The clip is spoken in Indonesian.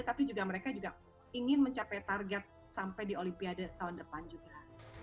tapi juga mereka juga ingin mencapai target sampai di olimpiade tahun depan juga